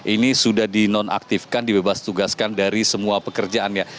ini sudah dinonaktifkan dibebas tugaskan dari semua pekerjaannya